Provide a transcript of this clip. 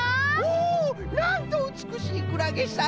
おなんとうつくしいクラゲさん